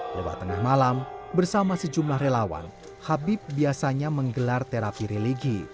lewat tengah malam bersama sejumlah relawan habib biasanya menggelar terapi religi